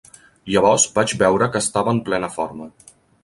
Llavors vaig veure que estava en plena forma.